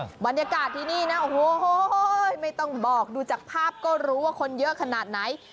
บรรยากาศที่นี่นะโอ้โหไม่ต้องบอกดูจากภาพก็รู้ว่าคนเยอะขนาดไหน